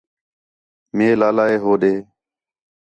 مئے لالا ہے ہو ݙے